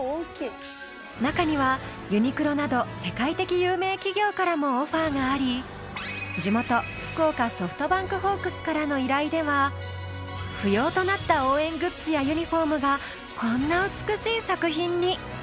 中にはユニクロなど世界的有名企業からもオファーがあり地元福岡ソフトバンクホークスからの依頼では不要となった応援グッズやユニフォームがこんな美しい作品に。